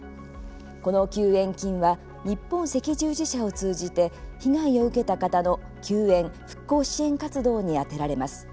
この救援金は日本赤十字社を通じて被害を受けた方の救援・復興支援活動に充てられます。